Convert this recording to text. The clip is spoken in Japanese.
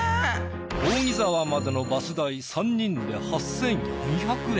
扇沢までのバス代３人で８，４００円。